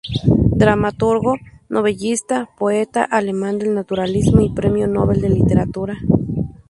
Dramaturgo, novelista, poeta alemán del Naturalismo y premio Nobel de literatura.